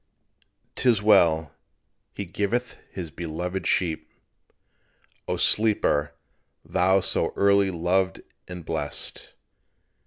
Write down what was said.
'Tis well: "He giveth His beloved sleep," O Sleeper, thou so early loved and blest!